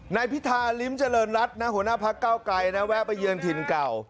นายพิธาลิ้มเจริญรัฐนะหัวหน้าพักเก้าไกลนะแวะไปเยือนถิ่นเก่า